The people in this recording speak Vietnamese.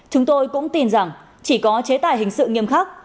chúng tôi cũng tin rằng chỉ có chế tài hình sự nghiêm khắc